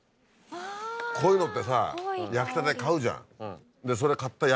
こういうのってさ焼きたて買うじゃん。